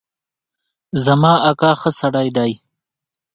زما اکا ښه سړی دی